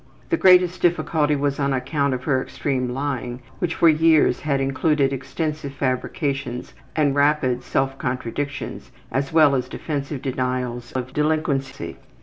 The greatest difficulty was on account of her extreme lying which for years had included extensive fabrications and rapid self contradictions, as well as defensive denials of delinquency.